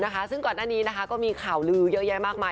ก่อนหน้านี้มีข่าวลื้อเยอะมากมาย